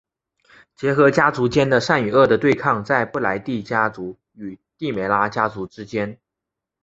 结合家族间的善与恶的对抗在布莱帝家族与帝梅拉家族之间。